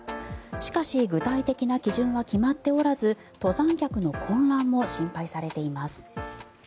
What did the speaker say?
しかし具体的な基準は決まっておらず登山客の混乱も心配されています。